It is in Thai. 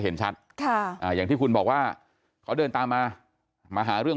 เห็นชัดค่ะอ่าอย่างที่คุณบอกว่าเขาเดินตามมามาหาเรื่อง